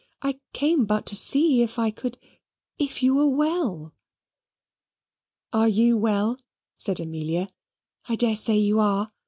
"I came but to see if I could if you were well." "Are you well?" said Amelia. "I dare say you are.